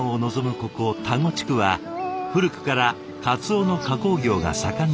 ここ田子地区は古くから鰹の加工業が盛んな地域。